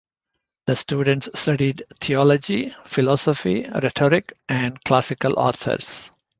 The students studied theology, philosophy, rhetoric, and classical authors.